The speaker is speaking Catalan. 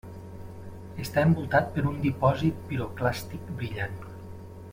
Està envoltat per un dipòsit piroclàstic brillant.